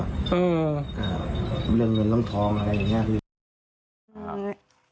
เรื่องเงินล้มทองอะไรอย่างนี้